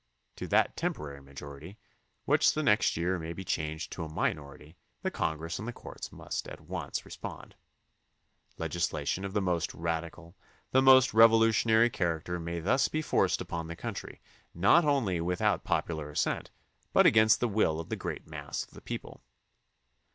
To that temporary majority, which the next year may be changed to a minority, the Con gress and the courts must at once respond. Legisla tion of the most radical, the most revolutionary char acter may thus be forced upon the country, not only without popular assent but against the will of the great mass of the people.